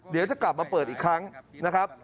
เดี๋ยวจะกลับมาเปิดอีกครั้งนะครับ